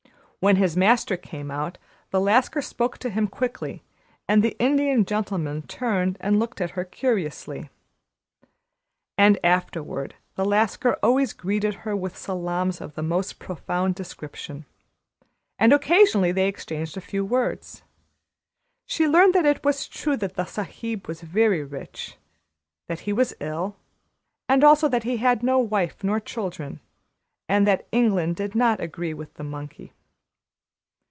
When his master came out, the Lascar spoke to him quickly, and the Indian Gentleman turned and looked at her curiously. And afterward the Lascar always greeted her with salaams of the most profound description. And occasionally they exchanged a few words. She learned that it was true that the Sahib was very rich that he was ill and also that he had no wife nor children, and that England did not agree with the monkey.